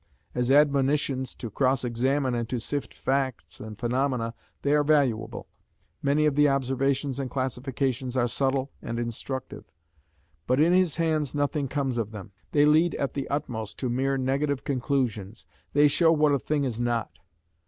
As admonitions to cross examine and to sift facts and phenomena they are valuable. Many of the observations and classifications are subtle and instructive. But in his hands nothing comes of them. They lead at the utmost to mere negative conclusions; they show what a thing is not.